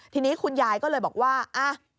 ทีนี้คุณยายก็เลยบอกว่า